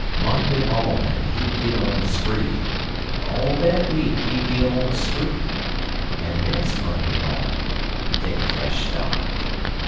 Monday mawnin' he'd git on a spree, en all dat week he'd be on a spree, en de nex' Monday mawnin' he'd take a fresh start.